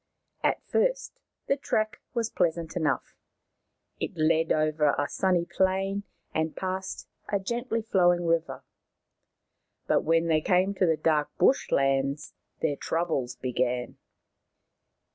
At first the track was pleasant enough. It led over a sunny plain and past a gently flowing river. But when they came to the dark bush lands their troubles began.